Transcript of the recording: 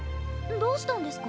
どうしたんですか？